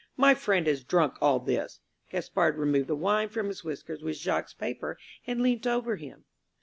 "My friend has drunk all this." Gaspard removed the wine from his whiskers with Jacques' paper, and leant over him.